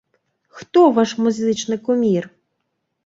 Хто ваш музычны кумір?